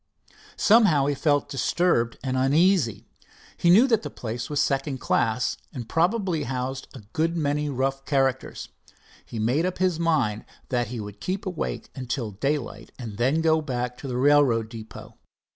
Somehow he felt disturbed and uneasy. He knew that the place was second class, and probably housed a good many rough characters. He made up his mind that he would keep awake until daylight, then go back to the railroad depot.